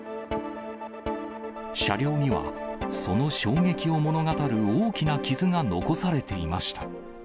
車両には、その衝撃を物語る大きな傷が残されていました。